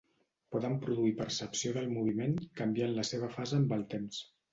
Poden produir percepció del moviment canviant la seva fase amb el temps.